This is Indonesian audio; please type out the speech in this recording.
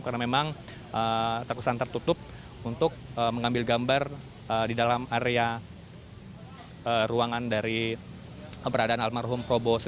karena memang takusan tertutup untuk mengambil gambar di dalam area ruangan dari keberadaan almarhum probowos tujuh